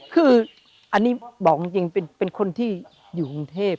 คืออันนี้บอกจริงเป็นคนที่อยู่กรุงเทพ